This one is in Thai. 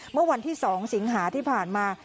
เมื่อวันที่๒สิงหาที่ผ่านมา